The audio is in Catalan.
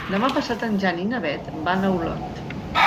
Demà passat en Jan i na Beth van a Olot.